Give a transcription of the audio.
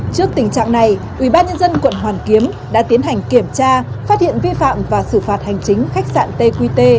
trước tình trạng này ubnd quận hoàn kiếm đã tiến hành kiểm tra phát hiện vi phạm và xử phạt hành chính khách sạn tqt